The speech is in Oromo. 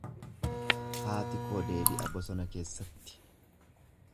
Haati koo deebi'a bosona keessatti.